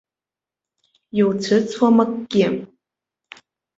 Иуцәыӡуам акгьы.